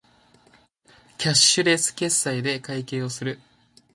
キャッシュレス決済で会計をする